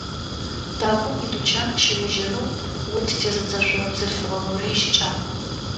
Дакӏом итучан щылэжьэнэу ут тезыдзэшъурэ бзылъфыгъэ горэ ищыкӏагъ.